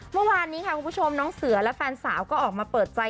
เมื่อวานนี้ค่ะคุณผู้ชมน้องเสือและแฟนสาวก็ออกมาเปิดใจ